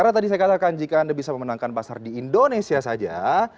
karena tadi saya katakan jika anda bisa memenangkan pasar di indonesia saja